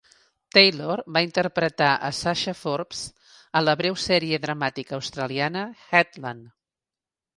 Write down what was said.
Taylor va interpretar a Sasha Forbes a la breu sèrie dramàtica australiana "headLand".